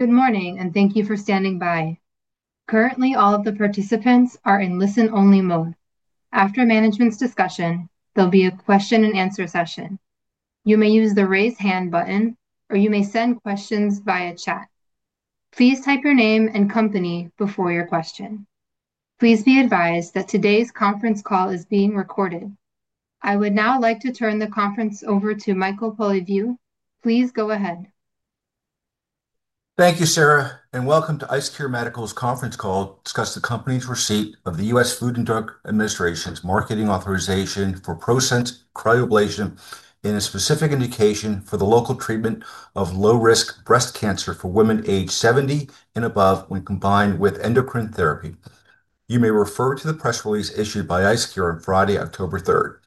Good morning and thank you for standing by. Currently, all of the participants are in listen-only mode. After management's discussion, there will be a question-and-answer session. You may use the raise hand button, or you may send questions via chat. Please type your name and company before your question. Please be advised that today's conference call is being recorded. I would now like to turn the conference over to Michael Polyviou. Please go ahead. Thank you, Sarah, and welcome to IceCure Medical's conference call to discuss the company's receipt of the U.S. Food and Drug Administration's marketing authorization for ProSense Cryoablation in a specific indication for the local treatment of low-risk breast cancer for women aged 70 and above when combined with endocrine therapy. You may refer to the press release issued by IceCure on Friday, October 3rd.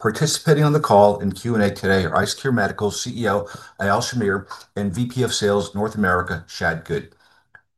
Participating on the call in Q&A today are IceCure Medical's CEO, Eyal Shamir, and VP of Sales - North America, Chad Good.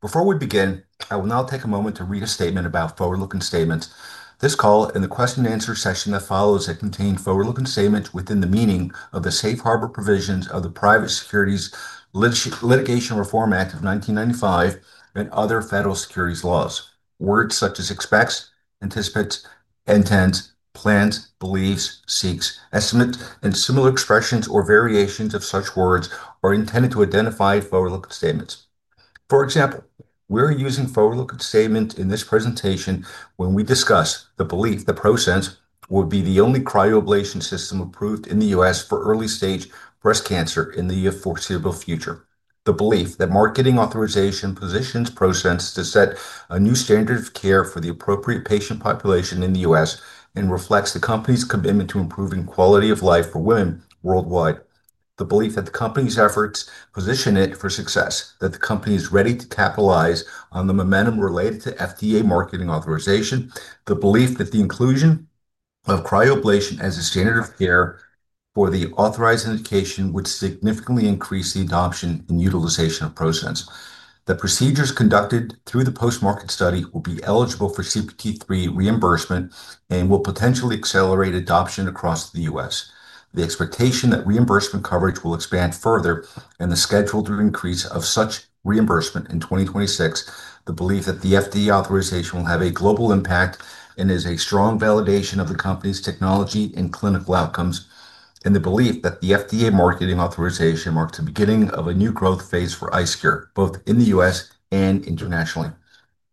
Before we begin, I will now take a moment to read a statement about forward-looking statements. This call and the question and answer session that follows it contain forward-looking statements within the meaning of the safe harbor provisions of the Private Securities Litigation Reform Act of 1995 and other federal securities laws. Words such as expects, anticipates, intends, plans, believes, seeks, estimates, and similar expressions or variations of such words are intended to identify forward-looking statements. For example, we are using forward-looking statements in this presentation when we discuss the belief that ProSense will be the only Cyoablation System approved in the U.S. for early-stage breast cancer in the foreseeable future. The belief that marketing authorization positions ProSense to set a new standard of care for the appropriate patient population in the U.S. and reflects the company's commitment to improving quality of life for women worldwide. The belief that the company's efforts position it for success, that the company is ready to capitalize on the momentum related to FDA marketing authorization, the belief that the inclusion of cryoablation as a standard of care for the authorized indication would significantly increase the adoption and utilization of ProSense. The procedures conducted through the post-market study will be eligible for CPT III reimbursement and will potentially accelerate adoption across the U.S. The expectation that reimbursement coverage will expand further and the scheduled increase of such reimbursement in 2026, the belief that the FDA authorization will have a global impact, and is a strong validation of the company's technology and clinical outcomes, and the belief that the FDA marketing authorization marks the beginning of a new growth phase for IceCure, both in the U.S. and internationally.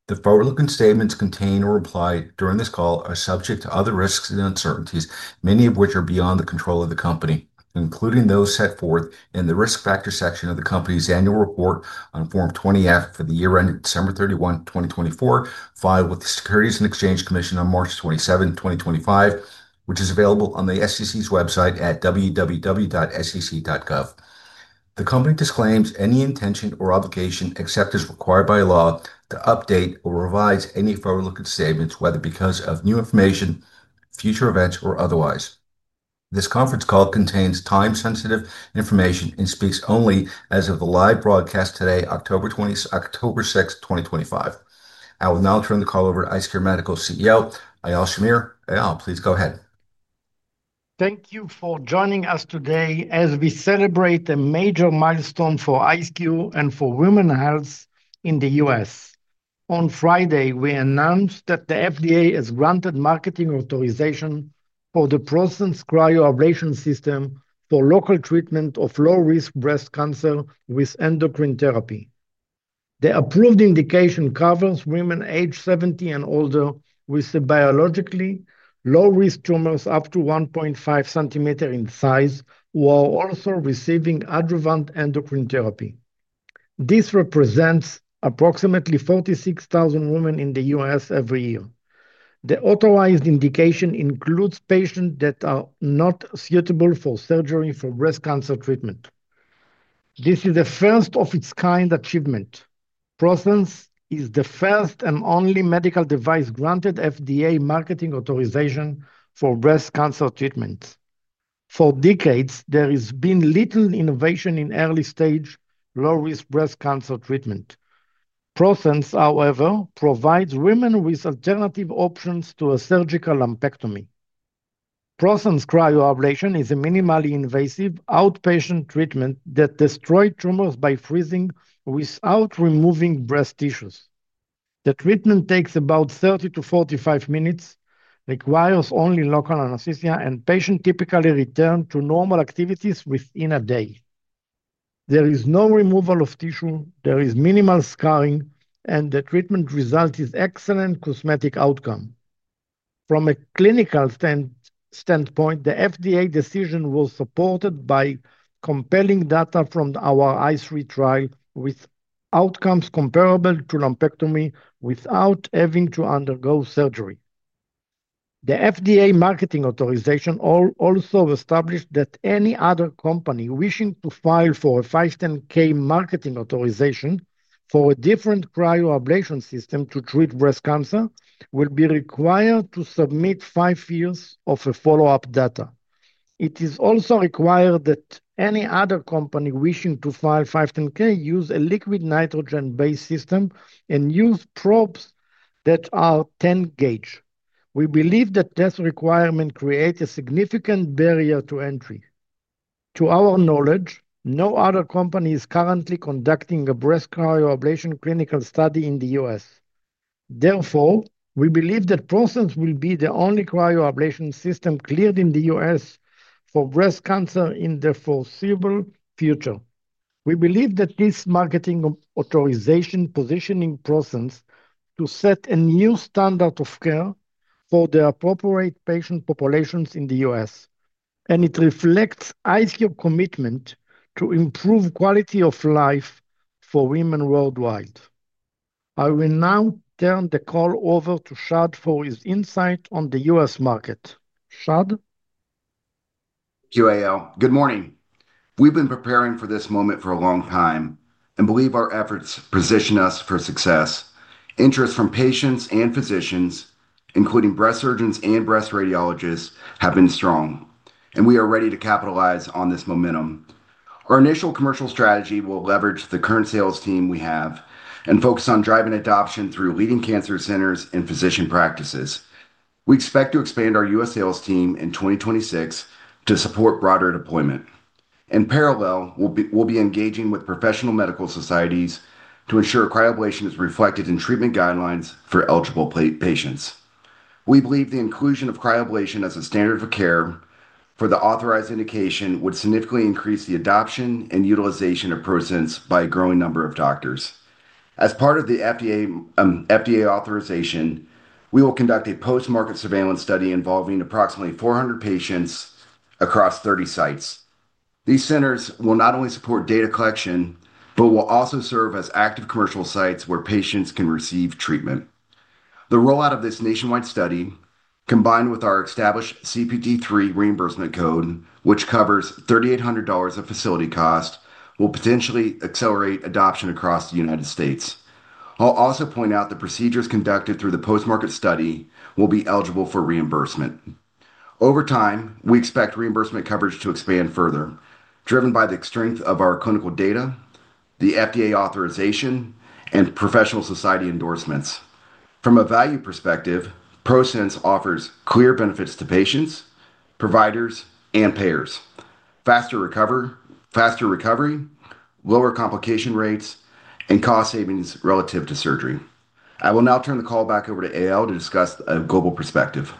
The forward-looking statements contained or implied during this call are subject to other risks and uncertainties, many of which are beyond the control of the company, including those set forth in the risk factor section of the company's annual report on Form 20-F for the year ended December 31, 2024, filed with the Securities and Exchange Commission on March 27, 2025, which is available on the SEC's website at www.sec.gov. The company disclaims any intention or obligation, except as required by law, to update or revise any forward-looking statements, whether because of new information, future events, or otherwise. This conference call contains time-sensitive information and speaks only as of the live broadcast today, October 6, 2025. I will now turn the call over to IceCure Medical's CEO, Eyal Shamir. Eyal, please go ahead. Thank you for joining us today as we celebrate a major milestone for IceCure and for women health in the U.S. On Friday, we announced that the FDA has granted marketing authorization for the ProSense Cryoablation system for local treatment of low-risk breast cancer with endocrine therapy. The approved indication covers women aged 70 and older with biologically low-risk tumors up to 1.5 cm in size who are also receiving adjuvant endocrine therapy. This represents approximately 46,000 women in the U.S. every year. The authorized indication includes patients that are not suitable for surgery for breast cancer treatment. This is a first-of-its-kind achievement. ProSense is the first and only medical device granted FDA marketing authorization for breast cancer treatment. For decades, there has been little innovation in early-stage, low-risk breast cancer treatment. ProSense, however, provides women with alternative options to a surgical lumpectomy. ProSense Cryoablation is a minimally invasive outpatient treatment that destroys tumors by freezing without removing breast tissues. The treatment takes about 30 minutes-45 minutes, requires only local anesthesia, and patients typically return to normal activities within a day. There is no removal of tissue, there is minimal scarring, and the treatment result is an excellent cosmetic outcome. From a clinical standpoint, the FDA decision was supported by compelling data from our ICE3 with outcomes comparable to lumpectomy without having to undergo surgery. The FDA marketing authorization also established that any other company wishing to file for a 510(k) marketing authorization for a different Cryoablation System to treat breast cancer will be required to submit five years of follow-up data. It is also required that any other company wishing to file 510(k) use a liquid nitrogen-based system and use probes that are 10 ga. We believe that this requirement creates a significant barrier to entry. To our knowledge, no other company is currently conducting a breast cryoablation clinical study in the U.S. Therefore, we believe that ProSense will be the only Cyoablation System cleared in the U.S. for breast cancer in the foreseeable future. We believe that this marketing authorization positions ProSense to set a new standard of care for the appropriate patient populations in the U.S., and it reflects IceCure's commitment to improve quality of life for women worldwide. I will now turn the call over to Chad for his insight on the U.S. market. Chad? Thank you, Eyal. Good morning. We've been preparing for this moment for a long time and believe our efforts position us for success. Interest from patients and physicians, including breast surgeons and breast radiologists, has been strong, and we are ready to capitalize on this momentum. Our initial commercial strategy will leverage the current sales team we have and focus on driving adoption through leading cancer centers and physician practices. We expect to expand our U.S. sales team in 2026 to support broader deployment. In parallel, we'll be engaging with professional medical societies to ensure cryoablation is reflected in treatment guidelines for eligible patients. We believe the inclusion of cryoablation as a standard of care for the authorized indication would significantly increase the adoption and utilization of ProSense by a growing number of doctors. As part of the FDA authorization, we will conduct a post-market surveillance study involving approximately 400 patients across 30 sites. These centers will not only support data collection but will also serve as active commercial sites where patients can receive treatment. The rollout of this nationwide study, combined with our established CPT III reimbursement code, which covers $3,800 of facility costs, will potentially accelerate adoption across the United States. I'll also point out that procedures conducted through the post-market study will be eligible for reimbursement. Over time, we expect reimbursement coverage to expand further, driven by the strength of our clinical data, the FDA authorization, and professional society endorsements. From a value perspective, ProSense offers clear benefits to patients, providers, and payers: faster recovery, lower complication rates, and cost savings relative to surgery. I will now turn the call back over to Eyal to discuss a global perspective.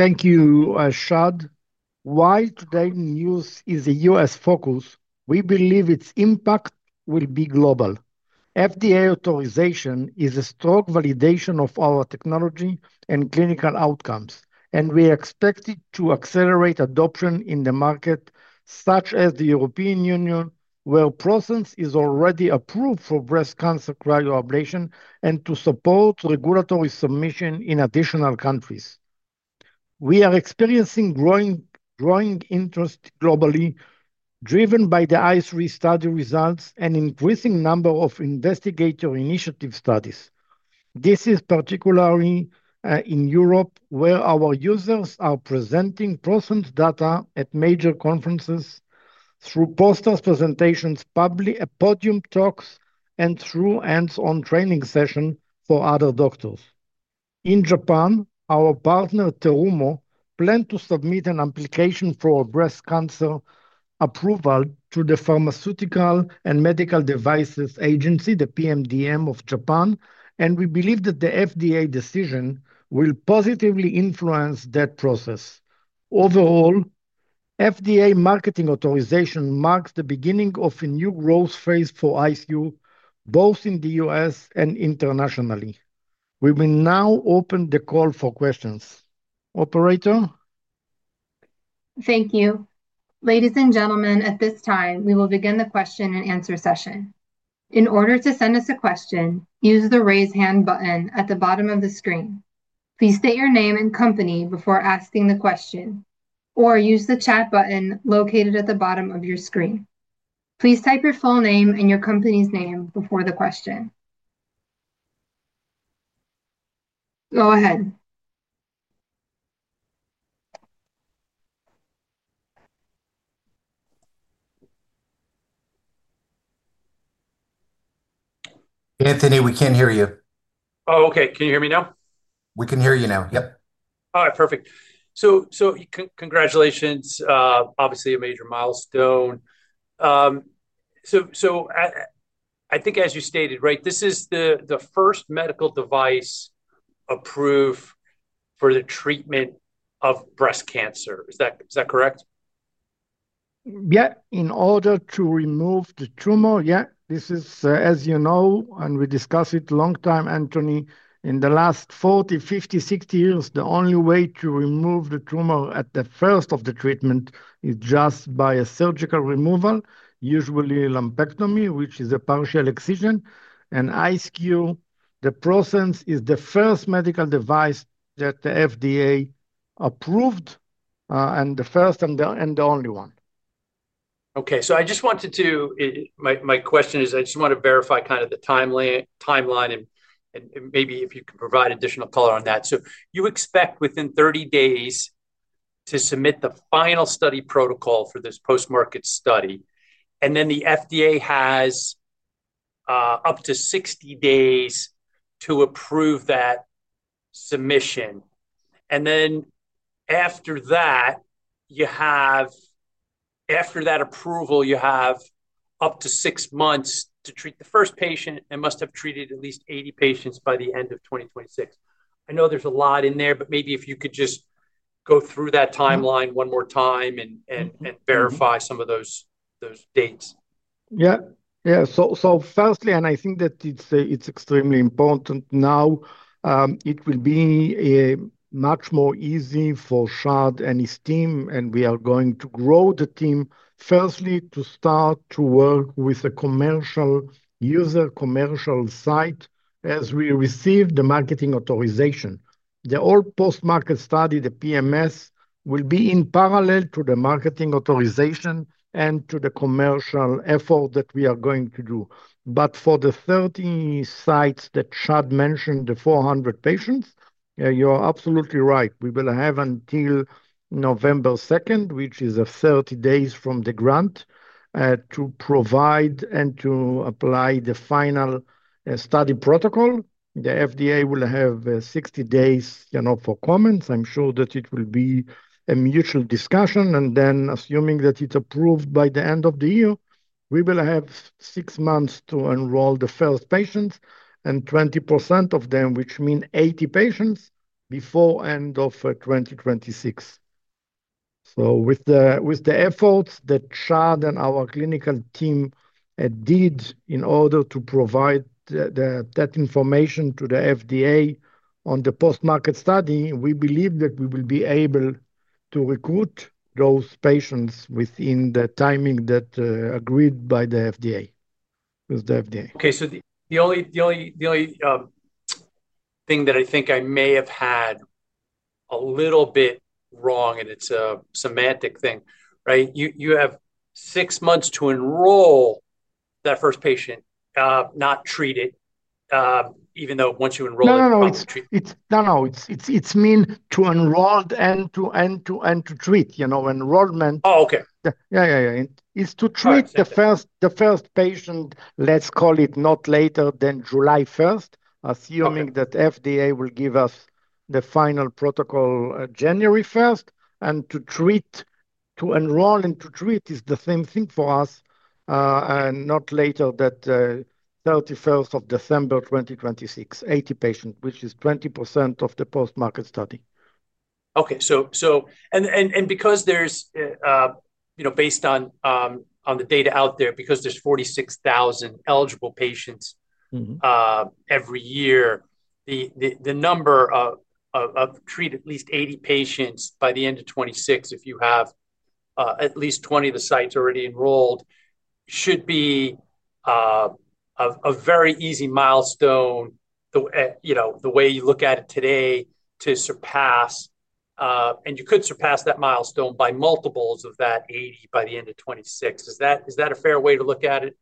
Thank you, Chad. While today's news is a U.S. focus, we believe its impact will be global. FDA authorization is a strong validation of our technology and clinical outcomes, and we expect it to accelerate adoption in markets such as the European Union, where ProSense is already approved for breast cancer cryoablation, and to support regulatory submission in additional countries. We are experiencing growing interest globally, driven by the ICE3 study results and increasing number of investigator-initiated studies. This is particularly in Europe, where our users are presenting ProSense data at major conferences through poster presentations, podium talks, and through hands-on training sessions for other doctors. In Japan, our partner Terumo plans to submit an application for breast cancer approval to the Pharmaceutical and Medical Devices Agency, the PMDA of Japan, and we believe that the FDA decision will positively influence that process. Overall, FDA marketing authorization marks the beginning of a new growth phase for IceCure- both in the U.S. and internationally. We will now open the call for questions. Operator? Thank you. Ladies and gentlemen, at this time, we will begin the question-and-answer session. In order to send us a question, use the raise hand button at the bottom of the screen. Please state your name and company before asking the question, or use the chat button located at the bottom of your screen. Please type your full name and your company's name before the question. Go ahead. Anthony, we can't hear you. Okay. Can you hear me now? We can hear you now. Yep. All right. Perfect. Congratulations. Obviously, a major milestone. I think, as you stated, this is the first medical device approved for the treatment of breast cancer. Is that correct? Yeah. In order to remove the tumor, yeah. This is, as you know, and we discussed it a long time, Anthony, in the last 40 years, 50 years, 60 years, the only way to remove the tumor at the first of the treatment is just by a surgical removal, usually a lumpectomy, which is a partial excision. IceCure, the ProSense, is the first medical device that the FDA approved, and the first and the only one. Okay. I just wanted to, my question is, I just want to verify kind of the timeline and maybe if you could provide additional color on that. You expect within 30 days to submit the final study protocol for this post-market surveillance study, and the FDA has up to 60 days to approve that submission. After that, you have, after that approval, you have up to six months to treat the first patient and must have treated at least 80 patients by the end of 2026. I know there's a lot in there, but maybe if you could just go through that timeline one more time and verify some of those dates. Yeah. Firstly, I think that it's extremely important now. It will be much more easy for Chad and his team, and we are going to grow the team, firstly to start to work with a commercial user, commercial site, as we receive the marketing authorization. The whole post-market study, the PMS, will be in parallel to the marketing authorization and to the commercial effort that we are going to do. For the 30 sites that Chad mentioned, the 400 patients, you're absolutely right. We will have until November 2nd, which is 30 days from the grant, to provide and to apply the final study protocol. The FDA will have 60 days for comments. I'm sure that it will be a mutual discussion. Assuming that it's approved by the end of the year, we will have six months to enroll the first patients and 20% of them, which means 80 patients, before end of 2026. With the efforts that Chad and our clinical team did in order to provide that information to the FDA on the post-market study, we believe that we will be able to recruit those patients within the timing that agreed by the FDA. Okay. The only thing that I think I may have had a little bit wrong, and it's a semantic thing, right? You have six months to enroll that first patient, not treated, even though once you enroll, it's treated. No, no, no. It's mean to enroll and to treat. You know, enrollment. Oh, okay. It's to treat the first patient, let's call it, not later than July 1st, assuming that FDA will give us the final protocol January 1st. To treat, to enroll and to treat is the same thing for us, and not later than 31st of December 2026, 80 patients, which is 20% of the post-market surveillance study. Okay. Based on the data out there, because there's 46,000 eligible patients every year, the number of treated at least 80 patients by the end of 2026, if you have at least 20 of the sites already enrolled, should be a very easy milestone, the way you look at it today, to surpass, and you could surpass that milestone by multiples of that 80 by the end of 2026. Is that a fair way to look at it?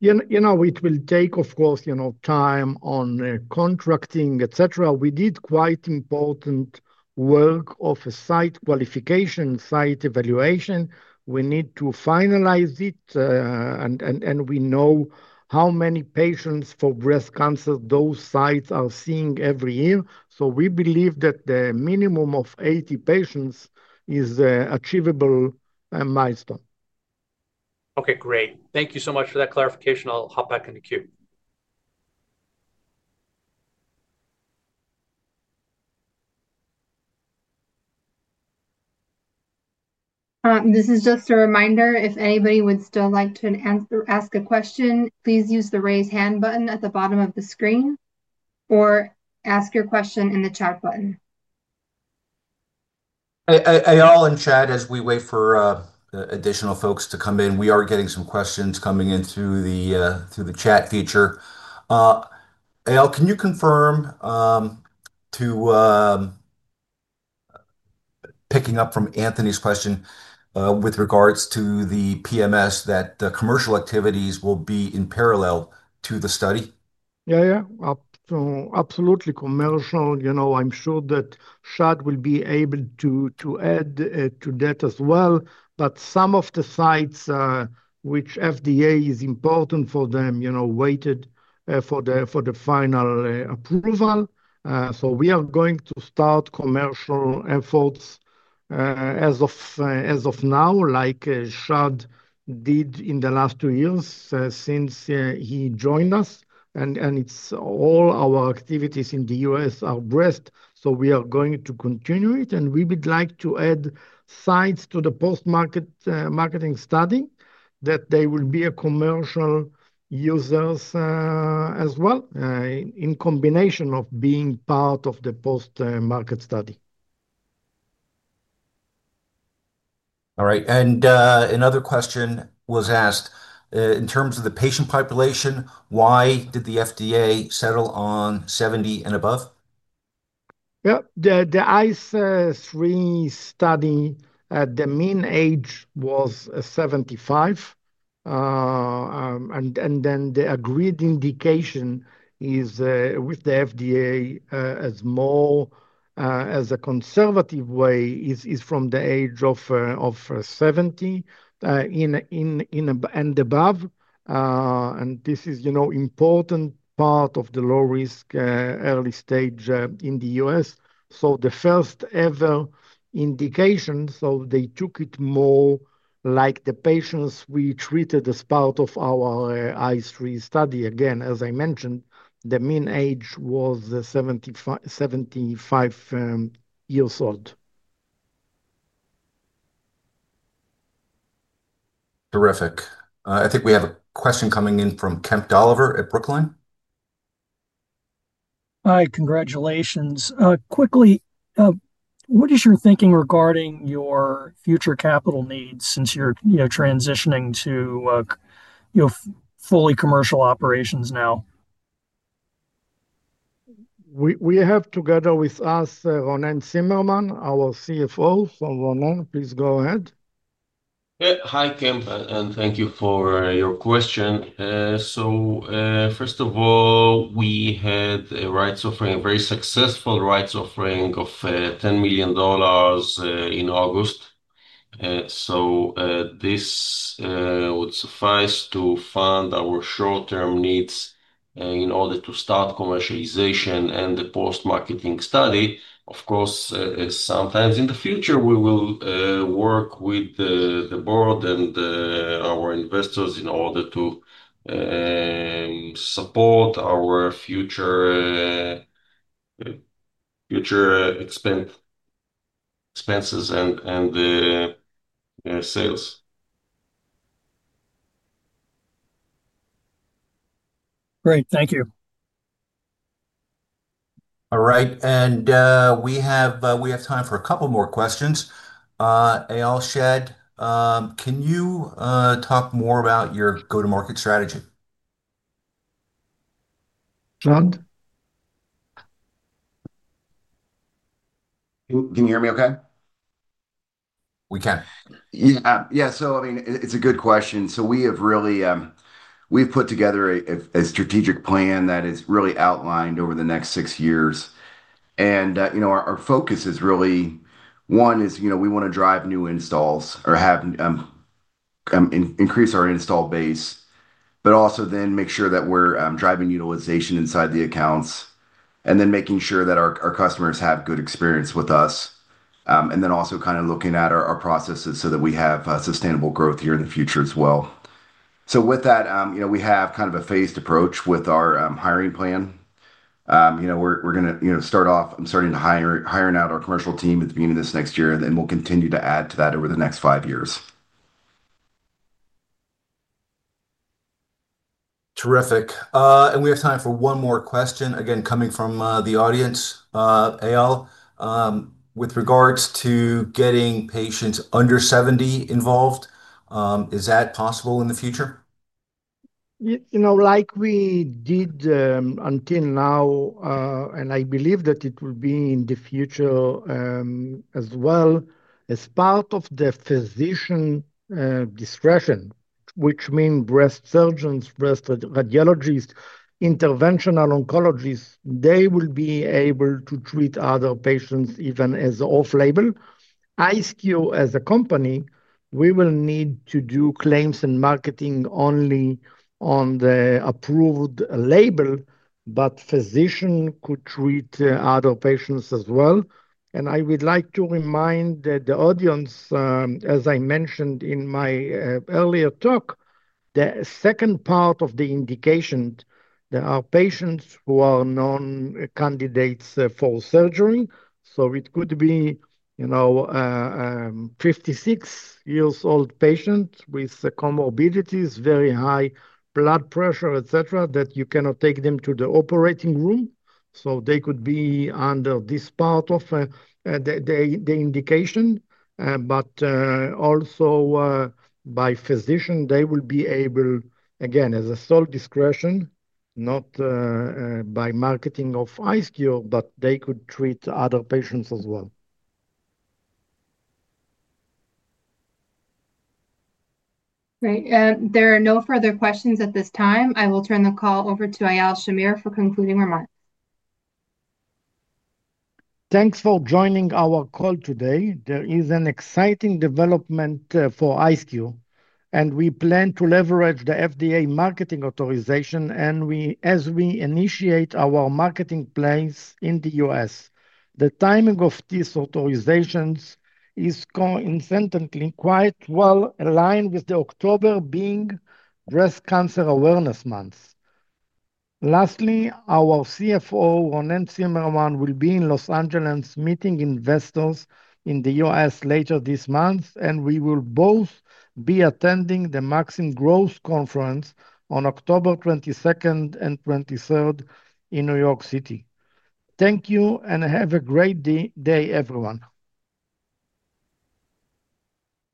It will take, of course, time on contracting, etc. We did quite important work of a site qualification, site evaluation. We need to finalize it, and we know how many patients for breast cancer those sites are seeing every year. We believe that the minimum of 80 patients is an achievable milestone. Okay. Great. Thank you so much for that clarification. I'll hop back into queue. This is just a reminder. If anybody would still like to ask a question, please use the raise hand button at the bottom of the screen or ask your question in the chat button. Eyal and Chad, as we wait for additional folks to come in, we are getting some questions coming in through the chat feature. Eyal, can you confirm, picking up from Anthony's question, with regards to the post-market surveillance study, that the commercial activities will be in parallel to the study? Yeah, absolutely, commercial. I'm sure that Chad will be able to add to that as well. Some of the sites, which FDA is important for them, waited for the final approval. We are going to start commercial efforts as of now, like Chad did in the last two years since he joined us. It's all our activities in the U.S., our breast. We are going to continue it, and we would like to add sites to the post-market marketing study that they will be commercial users as well, in combination of being part of the post-market study. All right. Another question was asked. In terms of the patient population, why did the FDA settle on 70 and above? Yeah. The ICE3 study, the mean age was 75. The agreed indication with the FDA is, as a more conservative way, from the age of 70 and above. This is an important part of the low-risk early stage in the U.S. The first-ever indication, they took it more like the patients we treated as part of our ICE3 study. Again, as I mentioned, the mean age was 75 years old. Terrific. I think we have a question coming in from Kemp Dolliver at Brookline. Hi. Congratulations. What is your thinking regarding your future capital needs since you're transitioning to fully commercial operations now? We have together with us Ronen Tsimerman, our CFO. Ronen, please go ahead. Yeah. Hi, Kemp, and thank you for your question. First of all, we had a very successful rights offering of $10 million in August. This would suffice to fund our short-term needs in order to start commercialization and the post-market surveillance study. Of course, sometime in the future, we will work with the board and our investors in order to support our future expenses and sales. Great. Thank you. All right. We have time for a couple more questions. Eyal, Chad, can you talk more about your go-to-market strategy? Chad? Can you hear me okay? We can. Yeah. It's a good question. We have really put together a strategic plan that is outlined over the next six years. Our focus is really, one, we want to drive new installs or increase our install base, but also make sure that we're driving utilization inside the accounts and making sure that our customers have good experience with us. Also, kind of looking at our processes so that we have sustainable growth here in the future as well. With that, we have kind of a phased approach with our hiring plan. We're going to start off hiring out our commercial team at the beginning of this next year, and then we'll continue to add to that over the next five years. Terrific. We have time for one more question, again, coming from the audience. Eyal, with regards to getting patients under 70 involved, is that possible in the future? You know. Like we did until now, I believe that it will be in the future as well, as part of the physician discretion, which means breast surgeons, breast radiologists, interventional oncologists, they will be able to treat other patients even as off-label. IceCure, as a company, we will need to do claims and marketing only on the approved label, but physicians could treat other patients as well. I would like to remind the audience, as I mentioned in my earlier talk, the second part of the indication, there are patients who are non-candidates for surgery. It could be, you know, a 56-year-old patient with comorbidities, very high blood pressure, etc., that you cannot take them to the operating room. They could be under this part of the indication. Also, by physician, they will be able, again, as a sole discretion, not by marketing of IceCure, but they could treat other patients as well. Great. There are no further questions at this time. I will turn the call over to Eyal Shamir for concluding remarks. Thanks for joining our call today. There is an exciting development for IceCure, and we plan to leverage the FDA marketing authorization as we initiate our marketing plans in the U.S. The timing of these authorizations is coincidentally quite well aligned with October being Breast Cancer Awareness Month. Lastly, our CFO, Ronen Tsimerman, will be in Los Angeles meeting investors in the U.S. later this month, and we will both be attending the Maxim Growth Conference on October 22nd and 23rd in New York City. Thank you and have a great day, everyone.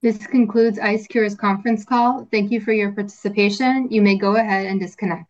This concludes IceCure's conference call. Thank you for your participation. You may go ahead and disconnect.